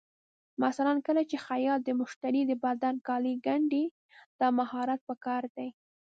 مثلا کله چې خیاط د مشتري د بدن کالي ګنډي، دا مهارت پکار دی.